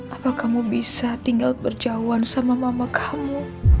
apa kamu bisa tinggal berjauhan sama mama kamu